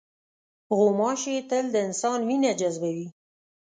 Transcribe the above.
غوماشې تل د انسان وینه جذبوي.